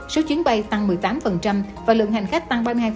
số chuyến bay tăng một mươi tám và lượng hành khách tăng ba mươi